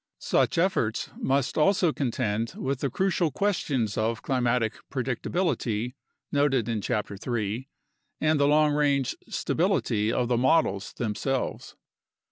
Such efforts must also contend with the crucial questions of climatic predictability, noted in Chapter 3, and the long range stability of the models themselves.